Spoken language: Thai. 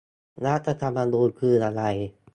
รัฐธรรมนูญคืออะไร ?